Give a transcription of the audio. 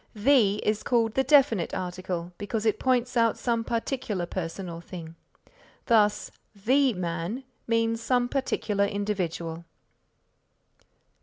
The is called the definite article because it points out some particular person or thing; thus, the man means some particular individual.